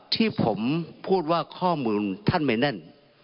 ที่ผมพูดว่าข้อมูลท่านไม่แน่น